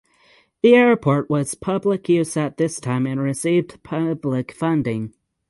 The airport was public use at this time and received public funding.